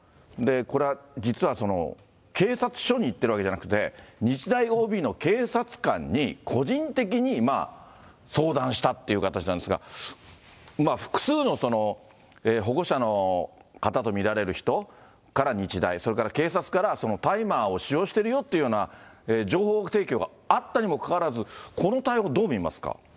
これは実は警察署にいっているわけではなくて、日大ＯＢの警察官に個人的に相談したっていう形なんですが、複数の保護者の方と見られる人から日大、それから警察から大麻を使用してるよっていうような情報提供があったにもかかわらず、この対応、どう見ますか。